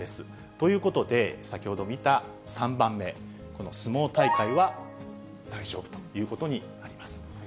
ということで、先ほど見た３番目、この相撲大会は大丈夫ということになります。